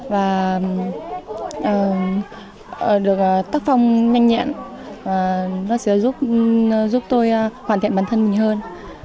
và được tác phong nhanh nhẹn và nó sẽ giúp tôi hoàn thiện bản thân mình hơn